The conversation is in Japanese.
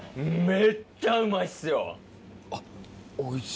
めっちゃうまいですよ！